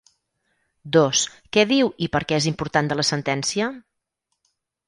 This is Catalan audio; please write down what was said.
Dos-Què diu i perquè és important de la sentència?